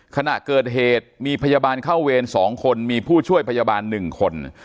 ขณะเกิดเหตุมีพยาบาลเข้าเวร๒คนมีผู้ช่วยพยาบาล๑คน